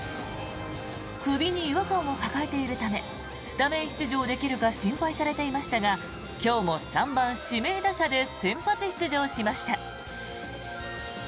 首に違和感を抱えているためスタメン出場できるか心配されていましたが今日も３番指名打者で先発出場しました。